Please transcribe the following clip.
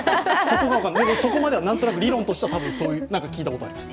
そこまではなんとなく、理論としては聞いたことがあります。